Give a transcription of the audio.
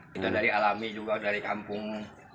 kita dari alami juga dari kampung